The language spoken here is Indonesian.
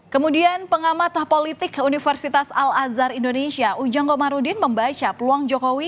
kemudian pengamat politik universitas al azhar indonesia ujang komarudin membaca peluang jokowi